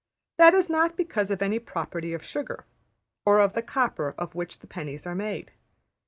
That is not because of any property of sugar, or of the copper of which the pennies are made.